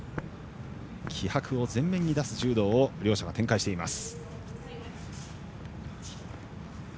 気迫を前面に出す柔道を両者は展開しています。